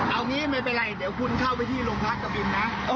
เอางี้ไม่เป็นไรเดี๋ยวคุณเข้าไปที่โรงพักกะบินนะ